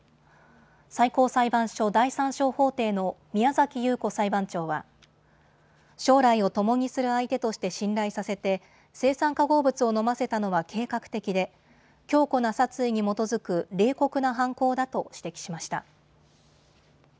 最高裁判所第３小法廷の宮崎裕子裁判長は将来を共にする相手として信頼させて青酸化合物を飲ませたのは計画的で強固な殺意に基づく冷酷な犯行だと指摘しました。